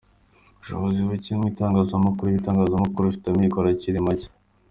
Ubushobozi bucye mu itangazamakuru, ibitangazamakuru bifite amikoro akiri macye.